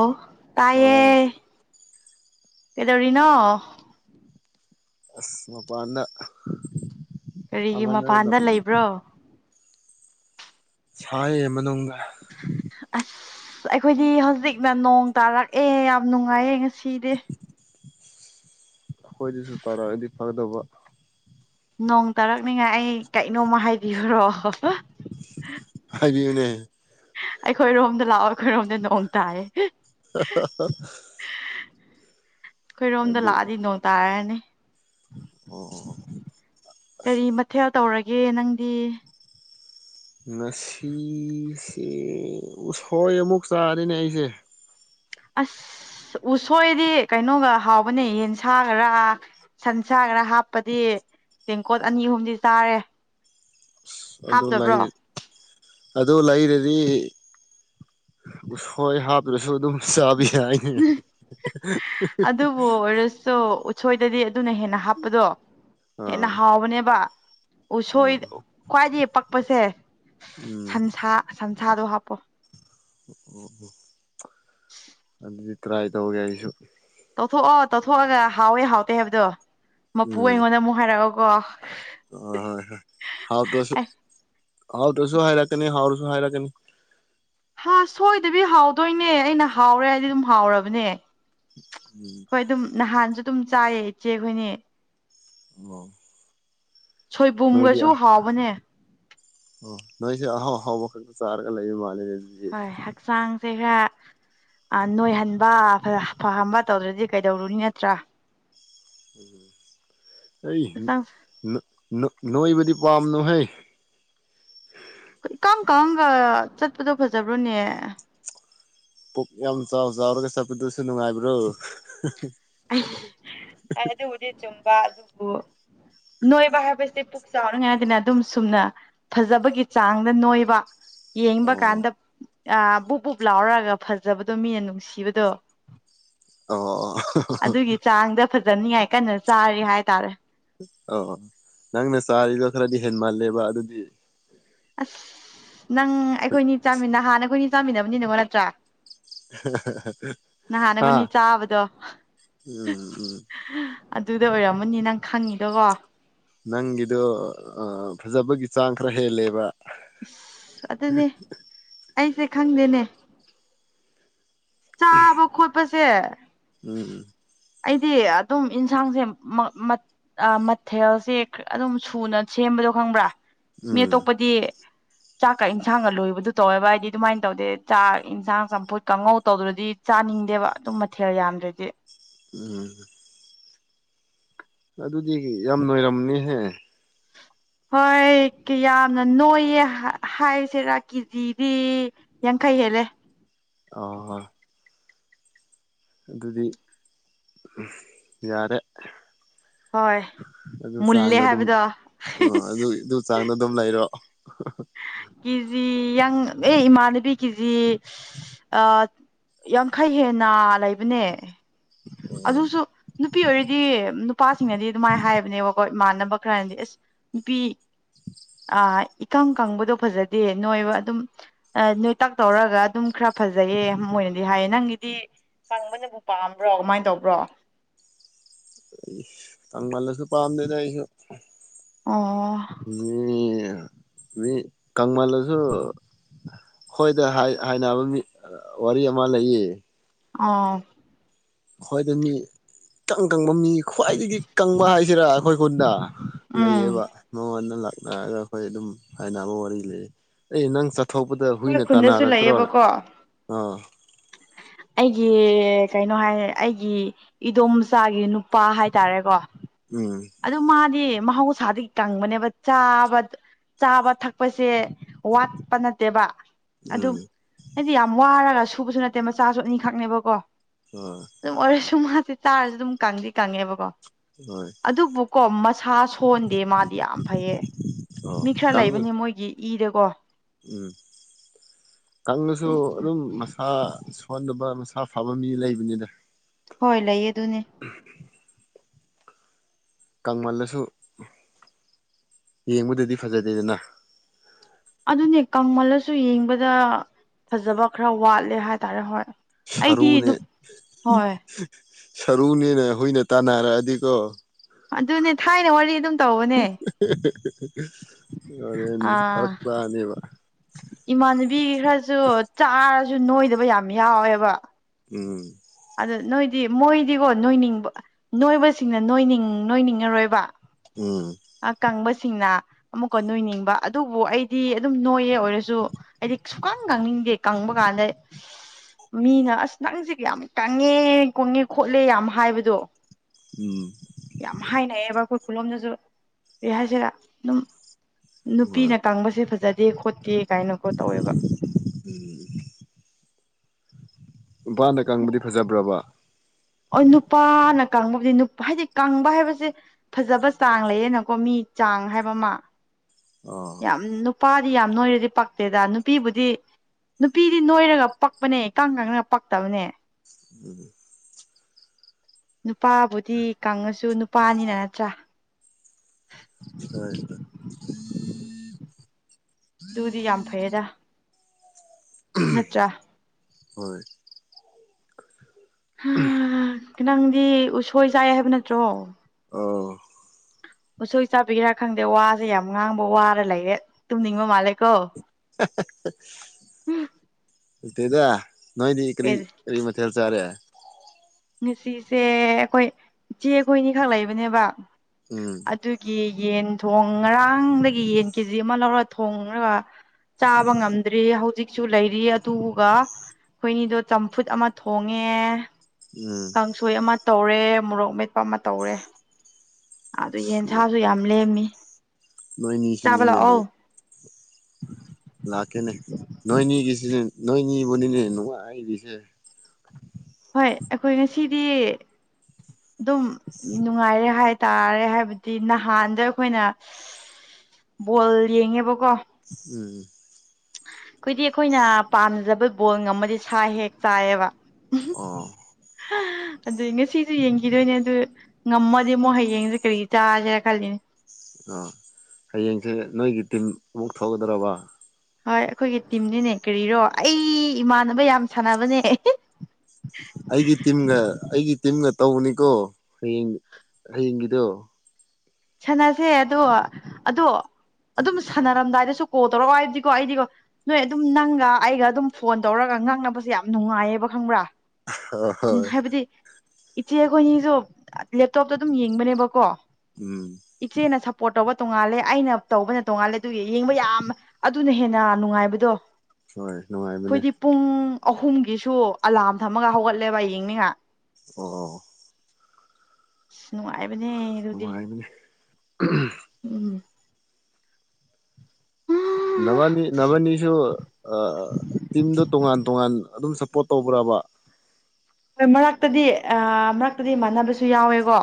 ꯑꯣ ꯇꯥꯏꯌꯦ ꯑꯣ ꯀꯩꯗꯧꯔꯤꯅꯣ ꯑꯁ ꯃꯄꯥꯟꯗ ꯀꯔꯤꯒꯤ ꯑꯃꯅ ꯃꯄꯥꯟꯗ ꯂꯩꯕ꯭ꯔꯣ ꯁꯥꯌꯦ ꯃꯅꯨꯡꯗ ꯑꯁ ꯑꯈꯣꯏꯗꯤ ꯍꯧꯖꯤꯛꯅ ꯅꯣꯡ ꯇꯥꯔꯛꯑꯦ ꯌꯥꯝ ꯅꯨꯡꯉꯥꯏꯌꯦ ꯉꯁꯤꯗꯤ ꯑꯈꯣꯏꯗꯖꯨ ꯇꯥꯔꯛꯑꯗꯤ ꯐꯥꯒꯗꯕ ꯅꯣꯡ ꯇꯥꯔꯛꯅꯤꯉꯥꯏ ꯑꯩ ꯀꯩꯅꯣꯝꯃ ꯍꯥꯏꯕꯤꯌꯨꯔꯣ ꯍꯥꯏꯕꯤꯌꯨꯅꯦ ꯑꯩꯈꯣꯏꯔꯣꯝꯗ ꯂꯥꯛꯑꯣ ꯑꯈꯣꯏꯔꯣꯝꯗ ꯅꯣꯡ ꯇꯥꯏꯌꯦ ꯑꯩꯈꯣꯏꯔꯣꯝꯗ ꯑꯗꯨ ꯂꯥꯛꯑꯗꯤ ꯅꯣꯡ ꯇꯥꯔꯅꯤ ꯑꯣ ꯑꯁ ꯀꯔꯤ ꯃꯊꯦꯜ ꯇꯧꯔꯒꯦ ꯅꯪꯗꯤ ꯉꯁꯤꯁꯦ ꯎꯁꯣꯏ ꯑꯃꯨꯛ ꯆꯥꯔꯦꯅꯦ ꯑꯩꯖꯦ ꯑꯁ ꯎꯁꯣꯏꯗꯤ ꯀꯩꯅꯣꯒ ꯍꯥꯎꯕꯅꯦ ꯌꯦꯟ ꯁꯥꯥꯒꯔ ꯁꯟꯁꯥ ꯒꯔ ꯍꯥꯞꯄꯗꯤ ꯇꯦꯡꯀꯣꯠ ꯑꯅꯤ ꯑꯍꯨꯝꯗꯤ ꯆꯥꯔꯦ ꯑꯁ ꯑꯗꯨ ꯍꯥꯞꯇꯕ꯭ꯔꯣ ꯂꯩꯔ ꯑꯗꯨ ꯂꯩꯔꯗꯤ ꯎꯁꯣꯏ ꯍꯥꯄꯂꯁꯨ ꯑꯗꯨꯝ ꯆꯥꯕꯤ [unintelligible] ꯑꯗꯨꯕꯨ ꯑꯣꯏꯔꯁꯨ ꯎꯁꯣꯏꯗꯗꯤ ꯑꯗꯨꯅ ꯍꯦꯟꯅ ꯍꯥꯞꯄꯗꯣ ꯍꯦꯟꯅ ꯑꯥ ꯍꯥꯎꯕꯅꯦꯕ ꯎꯁꯣꯏ ꯑꯥ ꯈ꯭ꯋꯥꯏꯗꯩ ꯄꯛꯄꯖꯦ ꯎꯝ ꯁꯟꯁꯥ ꯁꯟꯁꯥꯗꯣ ꯍꯥꯞꯄꯣ ꯑꯣ ꯑꯣ ꯑꯗꯨꯗꯤ ꯇ꯭ꯔꯥꯏ ꯇꯧꯒꯦ ꯑꯩꯁꯨ ꯇꯧꯊꯣꯛꯑꯣ ꯇꯧꯊꯣꯛꯑꯒ ꯍꯥꯎꯋꯦ ꯍꯥꯎꯇꯦ ꯍꯥꯏꯕꯗꯣ ꯃꯄꯨ ꯎꯝ ꯑꯩꯉꯣꯟꯗ ꯑꯃꯨꯛ ꯍꯥꯏꯔꯛꯑꯣꯀꯣ ꯍꯣꯏ ꯍꯣꯏ ꯍꯥꯎꯇ꯭ꯔꯁꯨ ꯑꯩ ꯍꯥꯎꯇ꯭ꯔꯁꯨ ꯍꯥꯏꯔꯛꯀꯅꯤ ꯍꯥꯎꯔꯁꯨ ꯍꯥꯏꯔꯛꯀꯅꯤ ꯍꯥ ꯁꯣꯏꯗꯕꯤ ꯍꯥꯎꯗꯣꯏꯅꯦ ꯑꯩꯅ ꯍꯥꯎꯔꯦ ꯍꯥꯏꯗꯤ ꯑꯗꯨꯝ ꯍꯥꯎꯔꯕꯅꯦ ꯎꯝ ꯍꯣꯏ ꯑꯗꯨꯝ ꯅꯍꯥꯟꯁꯨ ꯑꯗꯨꯝ ꯆꯥꯏꯌꯦ ꯏꯆꯦ ꯈꯣꯏꯅꯦ ꯑꯣ ꯅꯣꯏꯗꯤ ꯑ ꯁꯣꯏꯕꯨꯝꯒꯁꯨ ꯍꯥꯎꯕꯅꯦ ꯑꯣ ꯅꯣꯏꯁ ꯑꯍꯥꯎ ꯑꯍꯥꯎꯕꯈꯛꯇ ꯆꯥꯔꯒ ꯂꯩꯕ ꯃꯥꯜꯂꯦꯅꯦ ꯑꯗꯨꯗꯤ ꯍꯣꯏ ꯍꯛꯆꯥꯡ ꯆꯩꯔꯥꯛ ꯑ ꯅꯣꯏꯍꯟꯕ ꯐ ꯐꯍꯟꯕ ꯇꯧꯗ꯭ꯔꯗꯤ ꯀꯩꯗꯧꯔꯨꯅꯤ ꯅꯠꯇ꯭ꯔꯥ ꯎꯝ ꯑꯩ ꯍꯛꯆꯥꯡ ꯅꯣ ꯅꯣ ꯅꯣꯏꯕꯗꯤ ꯄꯥꯝꯅꯨꯍꯩ ꯏꯀꯪ ꯀꯪꯉꯒ ꯆꯠꯄꯗꯣ ꯐꯖꯕ꯭ꯔꯣꯅꯦ ꯄꯨꯛ ꯌꯥꯝ ꯆꯥꯎ ꯆꯥꯎꯔꯒ ꯆꯠꯄꯗꯨꯁꯨ ꯅꯨꯡꯉꯥꯏꯕ꯭ꯔꯣ ꯑꯩ ꯑꯗꯨꯕꯨꯗꯤ ꯆꯨꯝꯕ ꯑꯗꯨꯕꯨ ꯅꯣꯏꯕ ꯍꯥꯏꯕꯁꯦ ꯄꯨꯛ ꯆꯥꯎꯔꯤꯉꯥꯏꯗꯅ ꯗꯨꯝ ꯁꯨꯝꯅ ꯐꯖꯕꯒꯤ ꯆꯥꯡꯗ ꯅꯣꯏꯕ ꯌꯦꯕ ꯑꯣ ꯀꯥꯟꯗ ꯑ ꯕꯨꯞ ꯕꯨꯞ ꯂꯥꯎꯔꯒ ꯐꯖꯕꯗꯣ ꯃꯤꯅ ꯅꯨꯡꯁꯤꯕꯗꯣ ꯑꯣ ꯑꯗꯨꯒꯤ ꯆꯥꯡꯗ ꯐꯖꯅꯤꯉꯥꯏ ꯀꯟꯅ ꯆꯥꯔꯤ ꯍꯥꯏꯇꯥꯔꯦ ꯑ ꯅꯪꯅ ꯆꯥꯔꯤꯗꯣ ꯈꯔꯗꯤ ꯍꯦꯟꯃꯜꯂꯦꯕ ꯑꯗꯨꯗꯤ ꯑꯁ ꯅꯪ ꯑꯩꯈꯣꯏꯅꯤ ꯆꯥꯃꯤꯟ ꯅꯍꯥꯟꯅ ꯑꯩꯈꯣꯏꯅꯤ ꯆꯥꯃꯤꯟꯅꯕꯅꯤꯅ ꯅꯠꯇ꯭ꯔꯥ ꯅꯍꯥꯟ ꯍꯥ ꯑꯒꯣꯅꯤ ꯆꯥꯕꯗꯣ ꯎꯝ ꯎꯝ ꯑꯗꯨꯗ ꯑꯣꯏꯔꯝꯃꯅꯤ ꯅꯪ ꯈꯪꯉꯤꯗꯣꯀꯣ ꯅꯪꯒꯤꯗꯣ ꯑꯥ ꯐꯖꯕꯒꯤ ꯆꯥꯡ ꯈꯔ ꯍꯦꯜꯂꯦꯕ ꯑꯁ ꯑꯗꯨꯅꯦ ꯑꯩꯁꯦ ꯈꯪꯗꯦꯅꯦ ꯆꯥꯕ ꯈꯣꯠꯄꯁꯦ ꯎꯝ ꯑꯩꯗꯤ ꯑꯗꯨꯝ ꯏꯟꯁꯥꯡꯁꯦ ꯃꯥ ꯃꯥ ꯑꯥ ꯃꯊꯦꯜꯁꯦ ꯀꯔ ꯑꯗꯨꯝ ꯁꯨꯅ ꯁꯦꯝꯕ ꯗ ꯈꯪꯕ꯭ꯔꯥ ꯃꯤ ꯎꯝ ꯑꯇꯣꯞꯄꯗꯤ ꯆꯥꯛꯀ ꯏꯟꯁꯥꯡꯒ ꯂꯣꯏꯕꯗꯨ ꯇꯧꯋꯦꯕ ꯑꯩꯗꯤ ꯑꯗꯨꯃꯥꯏꯟ ꯇꯧꯗꯦ ꯆꯥꯛ ꯏꯟꯁꯥꯡ ꯆꯝꯐꯨꯠ ꯀꯥꯡꯉꯧ ꯇꯧꯗ꯭ꯔꯗꯤ ꯆꯥꯅꯤꯡꯗꯦꯕ ꯑꯗꯨꯝ ꯃꯊꯦꯜ ꯌꯥꯝꯗ꯭ꯔꯗꯤ ꯎꯝ ꯑꯗꯨꯗꯤ ꯌꯥꯝ ꯅꯣꯏꯔꯝꯅꯤꯍꯦ ꯍꯣꯏ ꯀꯤꯌꯥꯝꯅ ꯅꯣꯏꯌꯦ ꯍꯥ ꯍꯥꯏꯁꯦꯔꯥ ꯀꯦꯖꯤꯗꯤ ꯌꯥꯡ ꯀꯩꯍꯦꯂꯦ ꯑꯣ ꯑꯗꯨꯗꯤ ꯌꯥꯔꯦ ꯍꯣꯏ ꯑꯗꯨ ꯃꯨꯜꯂꯦ ꯆꯥꯡꯅ ꯑꯗꯨꯝ ꯍꯥꯏꯕꯗꯣ ꯑꯣ ꯑꯗꯨ ꯑꯗꯨ ꯆꯥꯡꯗ ꯑꯗꯨꯝ ꯂꯩꯔꯣ ꯀꯤꯖꯤ ꯌꯥꯡ ꯑꯦ ꯏꯃꯥꯟꯅꯕꯤ ꯀꯤꯖꯤ ꯑ ꯌꯥꯡꯈꯩ ꯍꯦꯟꯅ ꯂꯩꯕꯅꯦ ꯎꯝ ꯑꯗꯨꯁꯨ ꯅꯨꯄꯤ ꯑꯣꯏꯔꯗꯤ ꯅꯨꯄꯥꯁꯤꯡꯅꯗꯤ ꯑꯗꯨꯃꯥꯏ ꯍꯥꯏꯕꯅꯦꯕꯀꯣ ꯃꯥꯟꯅꯕ ꯈ꯭ꯔꯅꯗꯤ ꯑꯁ ꯅꯨꯄꯤ ꯑ ꯏꯀꯪ ꯀꯪꯕꯗꯨ ꯐꯖꯗꯦ ꯅꯣꯏꯕ ꯑꯗꯨꯝ ꯑꯥ ꯅꯣꯏꯇꯛ ꯇꯧꯔꯒ ꯑꯗꯨꯝ ꯈꯔ ꯐꯖꯩꯌꯦ ꯃꯣꯏꯅꯗꯤ ꯍꯥꯏꯌꯦ ꯅꯪꯒꯤ ꯗꯤ ꯀꯪꯕꯅꯕꯨ ꯄꯥꯝꯕ꯭ꯔꯣ ꯀꯃꯥꯏꯟ ꯇꯧꯕ꯭ꯔꯣ ꯀꯪꯃꯜꯂꯁꯨ ꯄꯥꯥꯎꯗꯦꯗ ꯑꯩꯁꯨ ꯑꯣ ꯃꯤ ꯃꯤ ꯀꯪꯃꯜꯂꯁꯨ ꯍꯣꯏꯗ ꯍꯥꯏ ꯍꯥꯏꯅꯕ ꯃꯤ ꯋꯥꯔꯤ ꯑꯃ ꯂꯩꯌꯦ ꯑꯣ ꯍꯣꯏ ꯑꯗꯨ ꯃꯤ ꯇꯪ ꯇꯪ ꯃꯃꯤ ꯈ꯭ꯋꯥꯏꯗꯒꯤ ꯀꯪꯕ ꯍꯥꯏꯁꯤꯔꯥ ꯑꯩꯈꯣꯏ ꯈꯨꯟꯗ ꯎꯝ ꯂꯩꯌꯦꯕ ꯃꯉꯣꯟꯗ ꯂꯥꯛꯑꯒ ꯑꯩꯈꯣꯏ ꯑꯗꯨꯝ ꯍꯥꯏꯅꯕ ꯋꯥꯔꯤ ꯂꯩꯌꯦ ꯑꯩ ꯅꯪ ꯆ ꯊꯣꯛꯄꯗ ꯍꯨꯏꯅ ꯑꯩꯈꯣꯏ ꯈꯨꯟꯗꯁꯨ ꯇꯥꯟꯅꯔꯛꯇ꯭ꯔꯣꯅꯦ ꯂꯩꯌꯦꯕꯀꯣ ꯑꯥ ꯑꯩꯒꯤ ꯀꯩꯅꯣ ꯍꯥꯏ ꯑꯩꯒꯤ ꯏꯗꯣꯝꯆꯥꯒꯤ ꯅꯨꯄꯥ ꯍꯥꯏꯇꯥꯔꯦꯀꯣ ꯎꯝ ꯑꯗꯨ ꯃꯥꯗꯤ ꯃꯍꯧꯁꯥꯗꯒꯤ ꯀꯪꯕꯅꯦꯕ ꯆꯥꯕ ꯆꯥꯕ ꯊꯛꯄꯁꯦ ꯋꯥꯠꯄ ꯅꯠꯇꯦꯕ ꯑꯗꯨꯝ ꯎꯝ ꯍꯥꯏꯗꯤ ꯌꯥꯝ ꯋꯥꯔꯒ ꯁꯨꯕꯁꯨ ꯅꯠꯇꯦ ꯃꯆꯥꯁꯨ ꯑꯅꯤꯈꯛꯅꯦꯕꯀꯣ ꯑ ꯁꯨꯝ ꯃꯥꯁꯦ ꯇꯥꯔꯁꯨ ꯑꯗꯨꯝ ꯀꯪꯗꯤ ꯀꯪꯉꯦꯕꯀꯣ ꯍꯣꯏ ꯑꯗꯨꯕꯨꯀꯣ ꯃꯁꯥ ꯁꯣꯟꯗꯦ ꯃꯥꯗꯤ ꯌꯥꯝ ꯐꯩꯌꯦ ꯑꯣ ꯃꯤ ꯈꯔ ꯀꯪ ꯂꯩꯕꯅꯤ ꯃꯣꯏꯒꯤ ꯏꯔꯦꯀꯣ ꯎꯝ ꯀꯅꯁꯨ ꯑꯗꯨꯝ ꯃꯁꯥ ꯁꯣꯟꯗꯕ ꯃꯁ ꯁꯥ ꯐꯕ ꯃꯤ ꯂꯩꯕꯅꯤꯗ ꯍꯣꯏ ꯂꯩꯌꯦ ꯑꯗꯨꯅꯦ ꯀꯃꯜꯂꯁꯨ ꯌꯦꯡꯕꯗꯗꯤ ꯐꯖꯗꯦꯗꯅ ꯑꯗꯨꯅꯦ ꯀꯪꯃꯜꯂꯁꯨ ꯌꯦꯡꯕꯗ ꯐꯖꯕ ꯈꯔ ꯋꯥꯠꯂꯦ ꯍꯥꯏꯇꯥꯔꯦ ꯍꯣꯏ ꯑꯩꯗꯤ ꯁꯔꯨꯅꯦ ꯑꯗꯨꯝ ꯍꯣꯏ ꯁꯔꯨꯅꯦꯅ ꯍꯨꯏꯅ ꯇꯥꯟꯅꯔꯛꯑꯗꯤꯀꯣ ꯑꯗꯨꯅꯦ ꯊꯥꯏꯅ ꯋꯥꯔꯤ ꯑꯗꯨꯝ ꯇꯧꯕꯅꯦ ꯑꯗꯦꯟ ꯐꯔꯛꯋꯥꯅꯤꯕ ꯏꯃꯥꯟꯅꯕꯤꯒꯤ ꯈꯔꯁꯨ ꯆꯥꯔꯁꯨ ꯅꯣꯏꯗꯕ ꯌꯥꯝ ꯌꯥꯎꯋꯦꯕ ꯎꯝ ꯗꯤ ꯃꯣꯏꯗꯤꯀꯣ ꯅꯣꯏꯅꯤꯡꯕ ꯅꯣꯏꯕꯁꯤꯡꯅ ꯅꯣꯏꯅꯤꯡ ꯅꯣꯏꯅꯤꯡꯉꯔꯣꯏꯕ ꯎꯝ ꯑ ꯀꯪꯕꯁ ꯁꯤꯡꯅ ꯑꯃꯨꯛꯀ ꯅꯣꯏꯅꯤꯡꯕ ꯑꯗꯨꯕꯨ ꯑꯩꯗꯤ ꯑꯗꯨꯝ ꯅꯣꯏꯌꯦ ꯑꯣꯏꯔꯁꯨ ꯑꯩꯗꯤ ꯁꯨꯀꯥꯟ ꯀꯥꯡꯅꯤꯡ ꯀꯪꯕ ꯀꯥꯟꯗ ꯃꯤꯅ ꯑꯁ ꯅꯪꯁꯦ ꯀ꯭ꯌꯥꯝ ꯀꯪꯉꯦ ꯀꯨꯡꯉꯦ ꯈꯣꯠꯂꯦ ꯌꯥꯝ ꯍꯥꯏꯕꯗꯣ ꯎꯝ ꯌꯥꯝ ꯍꯥꯏꯅꯩꯌꯦꯕ ꯑꯩꯈꯣꯏ ꯈꯨꯨꯂꯣꯝꯗꯁꯨ ꯑꯦ ꯍꯥꯏꯁꯤꯔꯥ ꯑꯗꯨꯝ ꯍꯣꯏ ꯅꯨꯄꯤꯅ ꯀꯥꯡꯕꯁꯦ ꯐꯖꯗꯦ ꯈꯣꯠꯇꯦ ꯀꯥꯏꯅꯀꯣ ꯇꯧꯋꯦꯕ ꯅꯨꯄꯥꯅ ꯀꯪꯕꯗꯤ ꯐꯖꯕ꯭ꯔꯕ ꯑꯣ ꯅꯨꯄꯥꯅ ꯀꯪꯕꯕꯨꯗꯤ ꯍꯥꯏꯗꯤ ꯀꯪꯕ ꯍꯥꯏꯕꯁꯦ ꯐꯖꯕ ꯆꯥꯡ ꯂꯩꯌꯦꯅꯀꯣ ꯃꯤ ꯆꯥꯡ ꯍꯥꯏꯕ ꯑꯃ ꯑꯥ ꯌꯥꯝ ꯅꯨꯄꯥꯗꯤ ꯌꯥꯝ ꯅꯣꯏꯔꯗꯤ ꯄꯛꯇꯦꯗ ꯅꯨꯄꯤꯕꯨꯗꯤ ꯅꯨꯄꯤꯗꯤ ꯅꯣꯏꯔꯒ ꯄꯛꯄꯅꯦ ꯀꯥꯡꯪ ꯀꯪꯅꯒ ꯄꯛꯇꯕꯅꯦ ꯎ ꯅꯨꯄꯥꯕꯨꯗꯤ ꯀꯪꯉꯁꯨ ꯅꯨꯄꯥꯅꯤꯅ ꯅꯠꯇ꯭ꯔꯥ [unintelligible] ꯇꯨꯗꯤ ꯌꯥꯝ ꯐꯩꯗ ꯅꯠꯇ꯭ꯔ ꯍꯣꯏ ꯅꯪꯗꯤ ꯎꯁꯣꯏ ꯆꯥꯏ ꯍꯥꯏꯕ ꯅꯠꯇ꯭ꯔꯣ ꯑꯣ ꯎꯁꯣꯏ ꯆꯥꯕꯤꯒꯦꯔꯥ ꯈꯪꯗꯦ ꯋꯥꯁꯦ ꯌꯥꯝ ꯉꯥꯡꯕ ꯋꯥꯔ ꯂꯩꯔꯦ ꯇꯨꯝꯅꯤꯡꯕ ꯃꯥꯜꯂꯦ ꯀꯣ ꯅꯠꯇꯦꯗ ꯅꯣꯏꯗꯤ ꯀꯔꯤ ꯀꯔꯤ ꯃꯊꯦꯜ ꯆꯔꯦ ꯉꯁꯤꯁꯦ ꯑꯩꯈꯣꯏ ꯏꯆꯦ ꯍꯣꯏꯅꯤꯈꯛ ꯂꯩꯕꯅꯦꯕ ꯎꯝ ꯑꯗꯨꯒꯤ ꯌꯦꯟ ꯊꯣꯡ ꯉꯔꯥꯡꯗꯒꯤ ꯌꯦꯟ ꯀꯦꯖꯤ ꯑꯃ ꯂꯧꯔ ꯊꯣꯡꯉꯒ ꯆꯥꯕ ꯉꯝꯗ꯭ꯔꯤ ꯍꯧꯖꯤꯛꯁꯨ ꯂꯩꯔꯤ ꯑꯗꯨꯒ ꯍꯣꯏꯅꯤꯗꯣ ꯆꯝꯐꯨꯠ ꯑꯃ ꯊꯣꯡꯉꯦ ꯀꯥꯡꯁꯣꯏ ꯑꯃ ꯇꯧꯔꯦ ꯃꯣꯔꯣꯛ ꯃꯦꯠꯄ ꯑꯃ ꯇꯧꯔꯦ ꯑꯗꯨ ꯎꯝ ꯌꯦꯟꯁꯥꯁꯨ ꯌꯥꯝ ꯂꯦꯝꯃꯤ ꯆꯥꯕ ꯂꯥꯛꯑꯣ [unintelligible] ꯂꯥꯛꯀꯦꯅꯦ ꯅꯣꯏꯅꯤꯒꯤꯁꯤ ꯅꯣꯏꯅꯤꯅꯤꯅꯦ ꯅꯨꯡꯉꯥꯏꯔꯤꯁꯦ ꯍꯣꯏ ꯑꯩꯈꯣꯏ ꯉꯁꯤꯗꯤ [inaudible] ꯑꯗꯨꯝ ꯅꯨꯡꯉꯥꯏꯔꯦ ꯍꯥꯏꯇꯥꯔꯦ ꯍꯥꯏꯕꯗꯤ ꯅꯍꯥꯟꯗ ꯑꯩꯈꯣꯏꯅ ꯕꯣꯜ ꯌꯦꯡꯉꯦꯕꯀꯣ ꯎꯝ ꯑꯩꯈꯣꯏꯗꯤ ꯑꯩꯈꯣꯏꯅ ꯄꯥꯝꯖꯕ ꯕꯣꯜ ꯉꯝꯃꯗꯤ ꯁꯥ ꯍꯦꯛ ꯆꯥꯏꯑꯕ ꯑꯣ ꯑꯗꯨ ꯉꯁꯤꯁꯨ ꯌꯦꯡꯈꯤꯗꯣꯏꯅꯦ ꯑꯗꯨ ꯉꯝꯃꯗꯤ ꯑꯃꯨꯛ ꯍꯌꯦꯡꯁꯦ ꯀꯔꯤ ꯆꯥꯥꯁꯦꯔ ꯈꯜꯂꯤꯅꯦ ꯑꯥ ꯍꯌꯦꯡꯁꯦ ꯅꯣꯏꯒꯤ ꯇꯤꯝ [unintelligible] ꯊꯒꯗ꯭ꯔꯕ ꯍꯣꯏ ꯑꯩꯈꯣꯏꯒꯤ ꯇꯤꯝꯅꯤꯅꯦ ꯀꯔꯤꯔꯣ ꯑꯩ ꯏꯃꯥꯟꯅꯕ ꯌꯥꯝ ꯁꯥꯟꯅꯕꯅꯦ ꯑꯩꯒꯤ ꯇꯝꯒ ꯑꯩꯒꯤ ꯇꯝꯒ ꯇꯧꯕꯅꯤꯀꯣ ꯍꯌꯦꯡ ꯍꯌꯦꯡꯒꯤꯗꯣ ꯁꯥꯟꯅꯁꯦ ꯑꯗꯣ ꯑꯗꯣ ꯑꯗꯨꯝ ꯁꯥꯟꯅꯔꯝꯗꯥꯏꯗꯁꯨ ꯀꯣꯜ ꯇꯧꯔꯛꯑꯣ ꯍꯥꯏꯕꯗꯤꯀꯣ ꯑꯩꯗꯤꯀꯣ ꯅꯣꯏ ꯑꯗꯨꯝ ꯅꯪꯒ ꯑꯩꯒ ꯑꯗꯨꯝ ꯐꯣꯟ ꯇꯧꯔꯒ ꯉꯥꯡꯅꯕꯁꯦ ꯌꯥꯝ ꯅꯨꯡꯉꯥꯏꯌꯦꯕ ꯈꯪꯕ꯭ꯔꯥ ꯍꯣꯏ ꯎꯝ ꯍꯣꯏ ꯍꯥꯏꯕꯗꯤ ꯏꯆꯦ ꯑꯩꯈꯣꯏꯅꯤꯁꯨ ꯂꯦꯞꯇꯣꯞꯇ ꯑꯗꯨꯝ ꯌꯦꯡꯕꯅꯦꯕꯀꯣ ꯎꯝ ꯏꯆꯦꯅ ꯁꯞꯄꯣꯔꯠ ꯇꯧꯕ ꯇꯣꯡꯉꯥꯜꯂꯦ ꯑꯩꯅ ꯇꯧꯕꯅ ꯇꯣꯡꯉꯥꯜꯂꯦ ꯑꯗꯨ ꯌꯦꯡꯕ ꯌꯥꯝ ꯑꯗꯨꯅ ꯍꯦꯟꯅ ꯅꯨꯡꯉꯥꯏꯕꯗꯣ ꯍꯣꯏ ꯅꯨꯡꯉꯥꯏꯕꯅꯦ ꯑꯩꯈꯣꯏꯗꯤ ꯄꯨꯡ ꯑꯍꯨꯝꯒꯤꯁꯨ ꯑꯂꯥꯔꯝ ꯊꯝꯃꯒ ꯍꯧꯒꯠꯂꯦꯕ ꯌꯦꯡꯅꯤꯉ ꯑꯣ ꯑꯁ ꯅꯨꯡꯉꯥꯏꯕꯅꯦ ꯑꯗꯨꯗꯤ ꯅꯨꯡꯉꯥꯏꯕꯅꯦ [unintelligible] ꯎꯝ ꯅꯕꯥꯅꯤ ꯅꯕꯥꯅꯤꯁꯨ ꯇꯤꯝꯗ ꯇꯣꯉꯥꯟ ꯇꯣꯉꯥꯟ ꯑꯗꯨꯝ ꯁꯞꯄꯣꯔꯠ ꯇꯧꯕ ꯄꯨꯔꯕ ꯍꯣꯏ ꯃꯔꯛꯇꯗꯤ ꯃꯔꯛꯇꯗꯤ ꯏꯃꯥꯟꯅꯕꯁꯨ ꯌꯥꯎꯋꯦꯀꯣ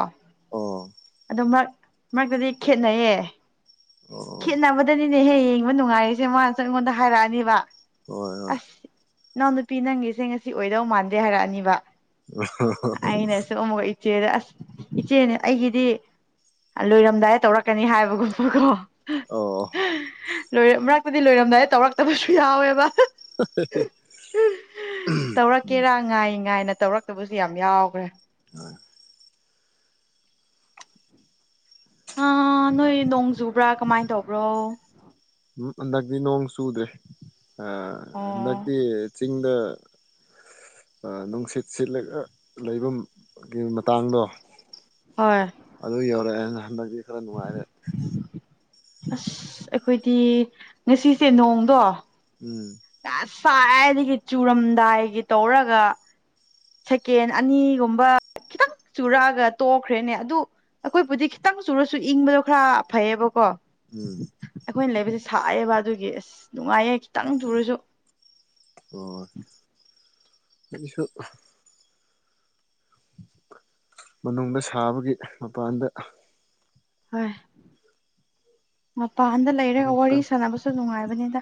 ꯑꯣ ꯑꯗꯨ ꯃꯔ ꯃꯔꯛꯇꯗꯤ ꯈꯦꯠꯅꯩꯌꯦ ꯑꯣ ꯈꯦꯠꯅꯕꯗꯅꯤꯅꯦꯍꯦ ꯌꯦꯡꯕ ꯅꯨꯡꯉꯥꯏꯔꯤꯁꯦ ꯃꯥꯅꯁꯨ ꯑꯩꯉꯣꯟꯗ ꯍꯥꯏꯔꯛꯑꯅꯤꯕ ꯍꯣꯏ ꯍꯣꯏ ꯑꯁ ꯏꯅꯥꯎ ꯅꯨꯄꯤ ꯅꯪꯒꯤꯁꯦ ꯉꯁꯤ ꯑꯣꯏꯗꯧ ꯃꯥꯟꯗꯦ ꯍꯥꯏꯔꯛꯑꯅꯤꯕ ꯑꯩꯅꯁꯨ ꯑꯃꯨꯛꯀ ꯑ ꯏꯆꯦꯗ ꯑꯁ ꯏꯆꯦꯅꯦ ꯑꯩꯒꯤꯗꯤ ꯂꯣꯏꯔꯝꯗꯥꯏꯗ ꯇꯧꯔꯛꯀꯅꯤ ꯍꯥꯏꯕꯒꯨꯝꯕꯀꯣ ꯑꯣ ꯂꯣꯏ ꯃꯔꯛꯇꯗꯤ ꯂꯣꯏꯔꯝꯗꯥꯏ ꯇꯧꯔꯛꯇꯕꯁꯨ ꯌꯥꯎꯋꯦꯕ [unintelligible] ꯇꯧꯔꯛꯀꯦꯔꯥ ꯉꯥꯏ ꯉꯥꯏꯅ ꯇꯧꯔꯛꯇꯕꯁꯨ ꯌꯥꯝ ꯌꯥꯎꯈ꯭ꯔꯦ ꯑ ꯅꯣꯏ ꯅꯣꯡ ꯆꯨꯕ꯭ꯔꯥ ꯀꯃꯥꯏ ꯇꯧꯕ꯭ꯔꯣ ꯎꯝ ꯍꯟꯗꯛꯇꯤ ꯅꯣꯡ ꯆꯨꯗ꯭ꯔꯦ ꯑ ꯑꯣ ꯍꯟꯗꯛꯇꯤ ꯆꯤꯡꯗ ꯅꯨꯡꯁꯤꯠ ꯁꯤꯠꯂ ꯑꯥ ꯂꯩꯕꯒꯤ ꯃꯇꯥꯡꯗꯣ ꯍꯣꯏ [unintelligible] ꯍꯟꯗꯛꯗꯤ ꯈꯔ ꯅꯨꯡꯉꯥꯏꯔꯦ ꯑꯁ ꯑꯩꯈꯣꯏꯗꯤ ꯉꯁꯤꯁꯦ ꯅꯣꯡꯗꯣ ꯎꯝ ꯁꯥꯏꯗꯒꯤ ꯆꯨꯔꯝꯗꯥꯏꯒꯤ ꯇꯧꯔꯒ ꯁꯦꯀꯦꯟ ꯑꯅꯤꯒꯨꯝꯕ ꯈꯤꯇꯪ ꯆꯨꯔꯛꯑꯒ ꯇꯣꯛꯈ꯭ꯔꯦꯅꯦ ꯑꯗꯨ ꯑꯩꯈꯣꯏꯕꯨꯗꯤ ꯈꯤꯇꯪ ꯆꯨꯔꯁꯨ ꯏꯪꯕꯗꯣ ꯈꯔ ꯐꯩꯌꯦꯕꯀꯣ ꯎꯝ ꯁꯥꯏꯌꯦꯕ ꯑꯗꯨꯒꯤ ꯑꯁ ꯅꯨꯡꯉꯥꯏꯌꯦ ꯈꯤꯇꯪ ꯆꯨꯔꯁꯨ ꯑꯣ [unintelligible] ꯃꯅꯨꯡꯗ ꯁꯥꯕꯒꯤ ꯃꯄꯥꯟꯗ ꯍꯣꯏ ꯃꯄꯥꯟꯗ ꯂꯩꯔꯒ ꯋꯥꯔꯤ ꯉꯥꯏꯍꯥꯛꯇꯪ ꯁꯥꯟꯅꯕꯁꯨ ꯅꯨꯡꯉꯥꯏꯕꯅꯤꯗ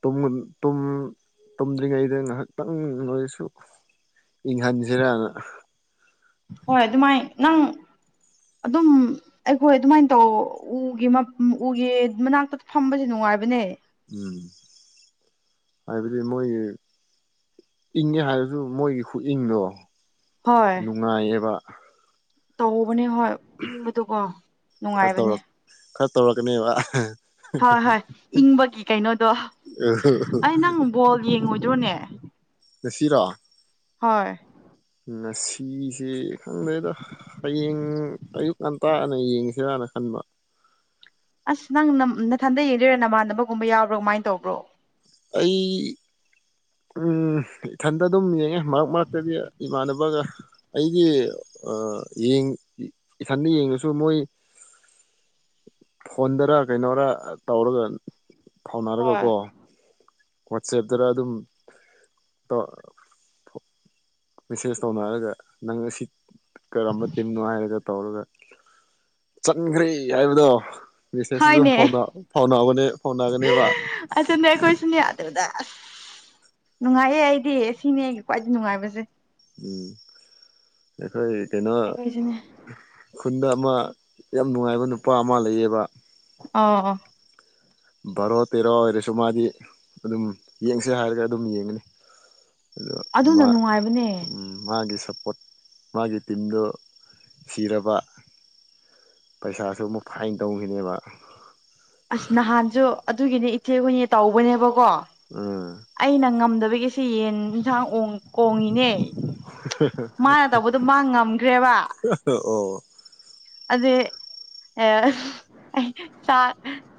ꯇꯨꯝ ꯇꯨꯝ ꯇꯨꯝꯗ꯭ꯔꯤꯉꯩꯗ ꯉꯥꯏꯍꯥꯛꯇꯪ ꯅꯣꯏꯁꯨ ꯏꯪꯍꯟꯁꯤꯔꯅ ꯍꯣꯏ ꯑꯗꯨꯃꯥꯏ ꯅꯪ ꯑꯗꯨꯝ ꯑꯩꯈꯣꯏ ꯑꯗꯨꯃꯥꯏꯟ ꯇꯧ ꯎꯒꯤ ꯃꯥ ꯎꯒꯤ ꯃꯅꯥꯛꯇ ꯐꯝꯕꯁꯦ ꯅꯨꯡꯉꯥꯏ ꯅꯨꯡꯉꯥꯏꯕꯅꯦ ꯎꯝ ꯍꯥꯏꯕꯗꯤ ꯃꯣꯏꯒꯤ ꯏꯪꯉꯦ ꯍꯥꯏꯔꯁꯨ ꯃꯣꯏꯒꯤ ꯈꯨꯏꯪꯗꯣ ꯍꯣꯏ ꯅꯨꯡꯉꯥꯏꯌꯦꯕ ꯇꯧꯕꯅꯦ ꯍꯣꯏ ꯏꯪꯕꯗꯨꯀꯣ ꯈꯔ ꯅꯨꯡꯉꯥꯏꯕꯅꯦ ꯇꯧꯔꯛ ꯈꯔ ꯇꯧꯔꯛꯀꯅꯤꯕ ꯍꯣꯏ ꯍꯣꯏ ꯏꯪꯕꯒꯤ ꯀꯩꯅꯣꯗꯣ ꯑꯩ ꯅꯪ ꯕꯣꯜ ꯌꯦꯡꯉ ꯗꯨꯅꯦ ꯉꯁꯤꯔꯣ ꯍꯣꯏ ꯉꯁꯤꯁꯦ ꯈꯪꯗꯦꯗ ꯍꯌꯦꯡ ꯑꯌꯨꯛ ꯉꯟꯇꯥꯅ ꯌꯦꯡꯉꯁꯤꯔꯅ ꯅꯈꯟꯕ ꯑꯁ ꯅꯪ ꯅ ꯅꯊꯟꯗ ꯌꯦꯡꯗꯣꯏꯔꯥ ꯅꯃꯥꯟꯅꯕꯒꯨꯝꯕ ꯌꯥꯎꯕ꯭ꯔꯣ ꯀꯃꯥꯏ ꯇꯧꯕ꯭ꯔꯣ ꯑꯩ ꯎꯝ ꯏꯊꯟꯇ ꯑꯗꯨꯝ ꯌꯦꯡꯉꯦ ꯃꯔꯛ ꯃꯔꯛꯇꯗꯤ ꯏꯃꯥꯟꯅꯕꯒ ꯑꯩꯒꯤ ꯑꯥ ꯌꯦꯡ ꯏ ꯏꯁꯊꯟꯗ ꯌꯦꯡꯉꯁꯨ ꯃꯣꯏ ꯐꯣꯟꯗꯔ ꯀꯩꯅꯣꯔꯥ ꯇꯧꯔꯒ ꯍꯣꯏ ꯐꯥꯎꯅꯔꯒꯀꯣ ꯋꯥꯆꯦꯞꯇꯔ ꯑꯗꯨꯝ [unintelligible] ꯃꯦꯁꯦꯖ ꯇꯧꯅꯔꯒ ꯅꯪ ꯑꯁꯤꯠ ꯀꯔꯝꯕ ꯇꯤꯝꯅꯣ ꯍꯥꯏꯔꯒ ꯇꯧꯔꯒ ꯆꯟꯒ꯭ꯔꯦ ꯍꯥꯏꯕꯗꯣ ꯃꯦꯁꯦꯖꯇ ꯑꯗꯨꯝ ꯍꯣꯏꯅꯦ ꯐꯥꯎꯅꯕꯅꯦ ꯐꯥꯎꯅꯒꯅꯦꯕ ꯑꯗꯨꯅꯦ ꯑꯩꯈꯣꯏꯁꯨꯅꯦ ꯑꯗꯨꯗ ꯑꯁ ꯅꯨꯡꯉꯥꯏꯌꯦ ꯑꯩꯗꯤ ꯁꯤꯅꯦ ꯑꯩꯒꯤ ꯈ꯭ꯋꯥꯏꯗꯩ ꯅꯨꯡꯉꯥꯏꯕꯁꯦ ꯎꯝ ꯑꯩꯈꯣꯏ ꯀꯩꯅꯣ ꯑꯩꯈꯣꯏꯁꯨꯅꯦ ꯈꯨꯨꯟꯗ ꯑꯃꯥ ꯌꯥꯝ ꯅꯨꯡꯉꯥꯏꯕ ꯅꯨꯄꯥ ꯑꯃ ꯂꯩꯌꯦꯕ ꯑ ꯕꯥꯔꯣ ꯇꯦꯔꯣ ꯑꯣꯏꯔꯁꯨ ꯃꯥꯗꯤ ꯑꯗꯨꯝ ꯌꯦꯡꯁꯦ ꯍꯥꯏꯔꯒ ꯑꯗꯨꯝ ꯌꯦꯡꯉꯅꯤ ꯑꯗꯣ ꯑꯗꯨꯅ ꯃꯥ ꯅꯨꯡꯉꯥꯏꯕꯅꯦ ꯎꯝ ꯃꯥꯒꯤ ꯁꯞ ꯄꯣꯠ ꯃꯥꯒꯤ ꯇꯤꯃꯗꯣ ꯁꯤꯔꯕꯥ ꯄꯩꯁꯥꯁꯨ ꯑꯃꯨꯛ ꯐꯥꯏꯟ ꯇꯧꯒꯅꯦꯕ ꯑꯁ ꯅꯍꯥꯟꯁꯨ ꯑꯗꯨꯒꯤꯅꯦ ꯏꯆꯦ ꯍꯈꯣꯏꯅꯦ ꯇꯧꯕꯅꯦꯕꯣ ꯎꯝ ꯑꯩꯅ ꯉꯝꯗꯕꯒꯤꯁꯤ ꯌꯦꯟ ꯑꯦꯟꯁꯥꯡ ꯑꯣꯡ ꯀꯣꯡꯉꯤꯅꯦ [unintelligible] ꯃꯥꯅ ꯇꯧꯕꯗꯣ ꯃꯥ ꯉꯝꯒꯔꯦꯕ ꯑꯣ ꯑꯣ ꯑꯗꯨꯏ ꯑꯩ ꯁꯥ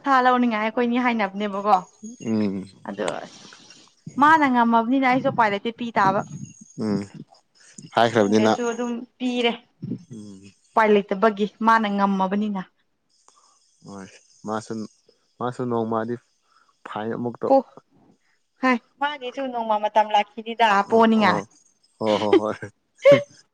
ꯁꯥ ꯂꯧꯅꯤꯡꯉꯥꯏ ꯑꯩꯈꯣꯏꯅꯤ ꯍꯥꯏꯅꯕꯅꯦꯕꯀꯣ ꯎꯝ ꯑꯗꯣ ꯑꯁ ꯃꯥꯅ ꯉꯝꯃꯕꯅꯤꯅ ꯑꯩꯁꯨ ꯎꯄꯥꯏ ꯂꯩꯇꯦ ꯄꯤ ꯇꯥꯕ ꯎꯝ ꯍꯥꯏꯈ꯭ꯔꯕꯅꯤꯅ ꯄꯤꯅꯤꯡꯗ꯭ꯔꯁꯨ ꯑꯗꯨꯝ ꯄꯤꯔꯦ ꯎꯝ ꯎꯄꯥꯏ ꯂꯩ ꯇꯕꯒꯤ ꯃꯥꯅ ꯉꯝꯃꯕꯅꯤꯅ ꯍꯣꯏ ꯃꯥꯁꯨ ꯃꯥꯁꯨ ꯅꯣꯡꯃꯗꯤ ꯐꯥꯏꯟ ꯑꯃꯨꯛꯇꯧ ꯑꯣ ꯍꯥꯏ ꯃꯥꯒꯤꯁꯨ ꯅꯣꯡꯃ ꯃꯇꯝ ꯂꯥꯛꯈꯤꯅꯤꯗ ꯄꯣꯅꯤꯡꯉꯥꯏ ꯍ ꯍꯣ ꯍꯣꯏ [unintelligible]